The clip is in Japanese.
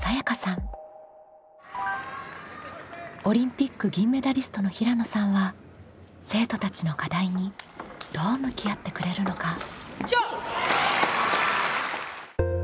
オリンピック銀メダリストの平野さんは生徒たちの課題にどう向き合ってくれるのか？